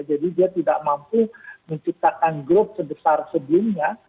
jadi dia tidak mampu menciptakan grup sebesar sebelumnya